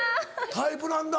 タイプなんだ。